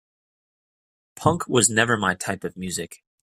Punk was never my type of music.